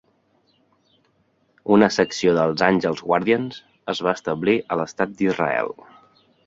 Una secció dels Àngels Guardians es va establir a l'estat d'Israel.